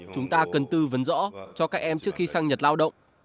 chúng ta cần tư vấn rõ cho các em trước khi sang nhật lao động